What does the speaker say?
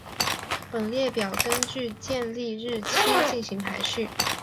本列表根据建立日期进行排序。